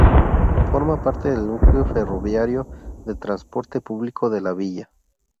Forma parte del núcleo ferroviario de transporte público de la villa.